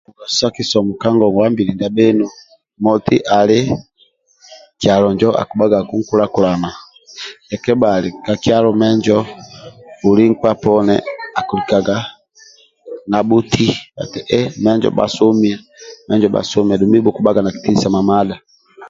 Bhobisa kisomo kagogwabili ndia bhenu moti ali kyalo njo akibhaga ku nkulakuna ndia kebhali bhuli nkpa poni Aki likaga nabhuti ati eeh mejo bhasomia dhubhi bhukubhaga na kitinisa mabhadha